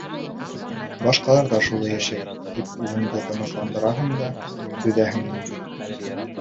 Башҡалар ҙа шулай йәшәй, тип үҙеңде тынысландыраһың да, түҙәһең инде.